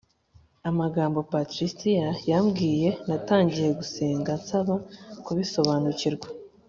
amagambo Patricia yambwiye Natangiye gusenga nsaba kubisobanukirwa